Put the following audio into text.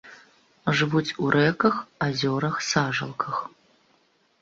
Жывуць у рэках, азёрах, сажалках.